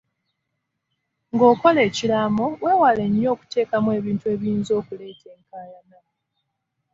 Ng'okola ekiraamo weewale nnyo okuteekamu ebintu ebiyinza okuleeta enkaayana.